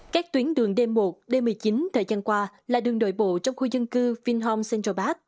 các tuyến đường d một d một mươi chín thời gian qua là đường đổi bộ trong khu dân cư vinh hồn central park